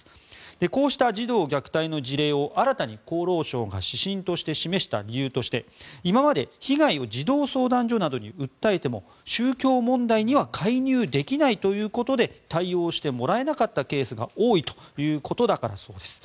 こうした児童虐待の事例を新たに厚労省が指針として示した理由として今まで被害を児童相談所などに訴えても宗教問題には介入できないということで対応してもらえないケースが多いということだからだそうです。